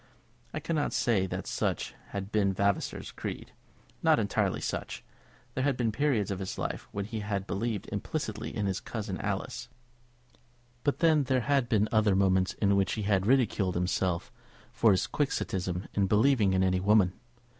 I cannot say that such had been Vavasor's creed, not entirely such. There had been periods of his life when he had believed implicitly in his cousin Alice; but then there had been other moments in which he had ridiculed himself for his Quixotism in believing in any woman.